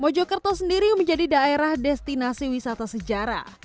mojokerto sendiri menjadi daerah destinasi wisata sejarah